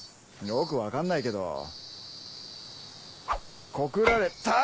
よく分かんないけど告られた！